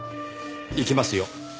行きますよ。